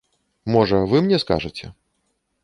Можа, вы мне скажаце?